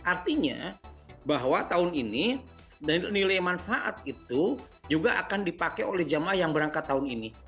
artinya bahwa tahun ini nilai manfaat itu juga akan dipakai oleh jemaah yang berangkat tahun ini